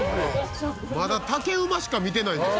まだ竹馬しか見てない。